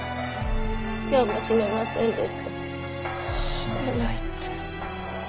死ねないって。